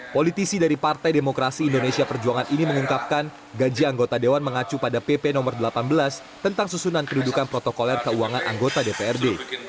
politisi dari partai demokrasi indonesia perjuangan ini mengungkapkan gaji anggota dewan mengacu pada pp no delapan belas tentang susunan kedudukan protokoler keuangan anggota dprd